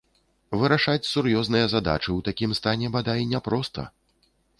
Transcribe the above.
Вырашаць сур'ёзныя задачы ў такім стане, бадай, няпроста.